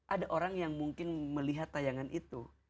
ada orang yang mungkin melihat tayangan itu